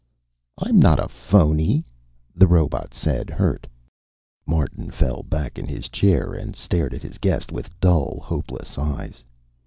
"I'm not a phony," the robot said, hurt. Martin fell back in his chair and stared at his guest with dull, hopeless eyes.